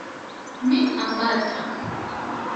Mi amata